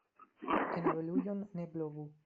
En abelujon ne blovu.